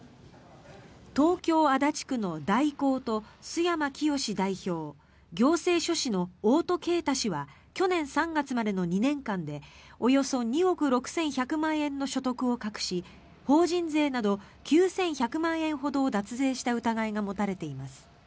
東京・足立区の大光と須山潔代表行政書士の大戸啓太氏は去年３月までの２年間でおよそ２億６１００万円の所得を隠し法人税など９１００万円ほどを脱税した疑いが持たれています。